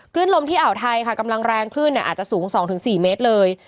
คลื่นลมที่อ่าวไทยคันกำลังแรงพึ่งเนี่ยอาจจะสูง๒๔เมตรเลย